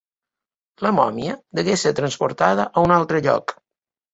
La mòmia degué ser transportada a un altre lloc.